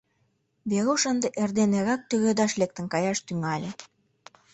Веруш ынде эрден эрак тӱредаш лектын каяш тӱҥале.